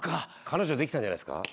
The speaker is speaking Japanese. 彼女できたんじゃないですか？